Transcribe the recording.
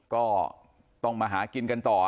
ก็ต้องมาหากินกันต่อ